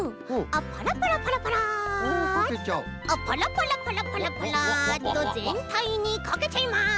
あっパラパラパラパラパラッとぜんたいにかけちゃいます。